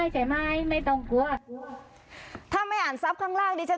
ใช่ค่ะและต้องใช้